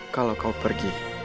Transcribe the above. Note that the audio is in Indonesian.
kalo kau pergi